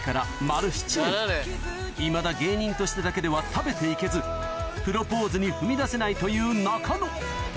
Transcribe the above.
いまだ芸人としてだけでは食べて行けずプロポーズに踏み出せないという中野